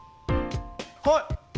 はい！